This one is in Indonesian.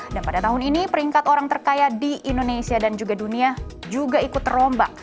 dan pada tahun ini peringkat orang terkaya di indonesia dan juga dunia juga ikut terombak